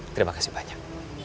terima kasih banyak